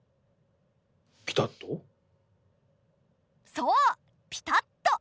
そうピタッと！